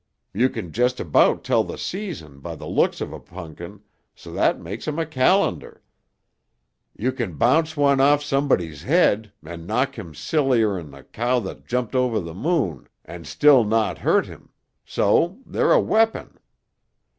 You can just about tell the season by the looks of a punkin, so that makes 'em a calendar. You can bounce one off somebody's head and knock him sillier'n the cow that jumped over the moon and still not hurt him, so they're a weapon.